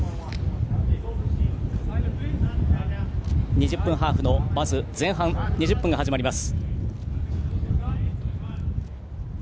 ２０分ハーフのまず前半２０分です。